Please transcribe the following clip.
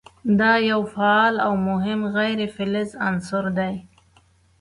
دا یو فعال او مهم غیر فلز عنصر دی.